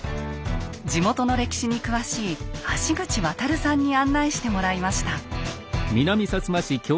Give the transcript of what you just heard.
地元の歴史に詳しい橋口亘さんに案内してもらいました。